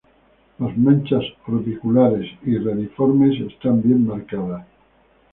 Las manchas orbiculares y reniformes están bien marcadas.